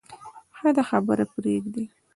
ښه ده خبره پرېږدې.